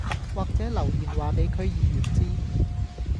或者留言話俾區議員知